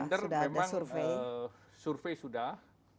gender memang survei sudah